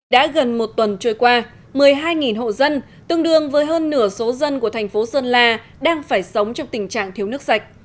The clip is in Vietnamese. đã gần một tuần trôi qua một mươi hai hộ dân tương đương với hơn nửa số dân của thành phố sơn la đang phải sống trong tình trạng thiếu nước sạch